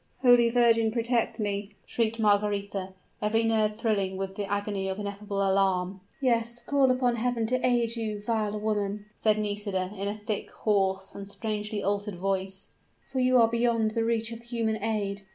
"Holy Virgin, protect me!" shrieked Margaretha, every nerve thrilling with the agony of ineffable alarm. "Yes, call upon Heaven to aid you, vile woman!" said Nisida, in a thick, hoarse, and strangely altered voice, "for you are beyond the reach of human aid!